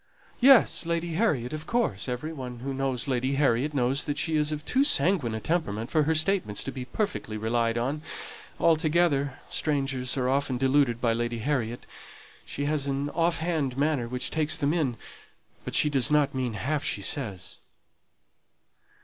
"Yes Lady Harriet of course every one who knows Lady Harriet knows that she is of too sanguine a temperament for her statements to be perfectly relied on. Altogether strangers are often deluded by Lady Harriet she has an off hand manner which takes them in; but she does not mean half she says."